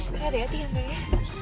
ya deh hati hati ya enggak ya